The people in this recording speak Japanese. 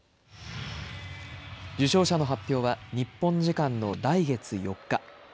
受賞者の発表は日本時間の来月４日。